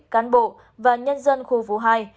cán bộ và nhân dân khu phố hai